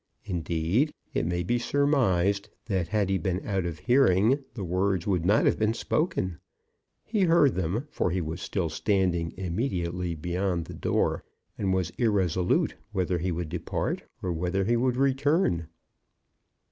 Indeed, it may be surmised that had he been out of hearing the words would not have been spoken. He heard them, for he was still standing immediately beyond the door, and was irresolute whether he would depart or whether he would return.